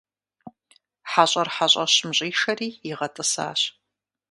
ХьэщӀэр хьэщӀэщым щӀишэри игъэтӀысащ.